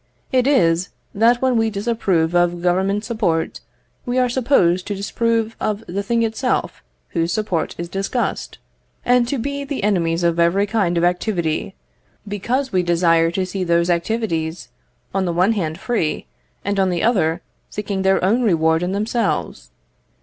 It is, that when we disapprove of government support, we are supposed to disapprove of the thing itself whose support is discussed; and to be the enemies of every kind of activity, because we desire to see those activities, on the one hand free, and on the other seeking their own reward in themselves.